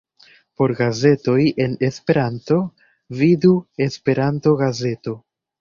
Por gazetoj en Esperanto, vidu Esperanto-gazeto.